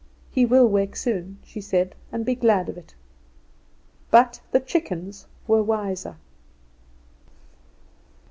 "He will wake soon," she said, "and be glad of it." But the chickens were wiser.